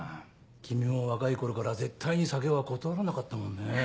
君も若い頃から絶対に酒は断らなかったもんね。